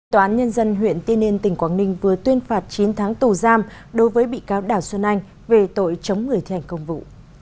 tòa án nhân dân huyện tiên yên tỉnh quảng ninh vừa tuyên phạt chín tháng tù giam đối với bị cáo đào xuân anh về tội chống người thi hành công vụ